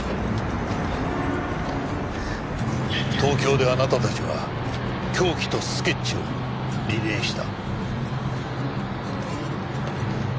東京であなたたちは凶器とスケッチをリレーした。